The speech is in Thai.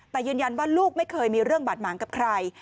แต่ยืนยันว่าลูกไม่เคยมีเรื่องบาดหมางกับใคร